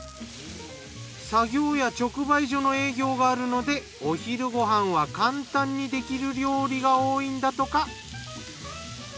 作業や直売所の営業があるのでお昼ご飯は簡単にできる料理が多いんだとか。